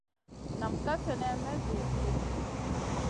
Nam ka slenè may zihim ɗi.